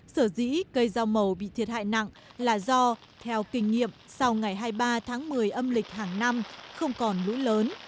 sở dĩ cây rau màu bị thiệt hại nặng là do theo kinh nghiệm sau ngày hai mươi ba tháng một mươi âm lịch hàng năm không còn lũ lớn